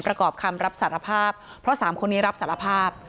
ประกอบคำรับสารภาพเพราะสามคนนี้รับสารภาพ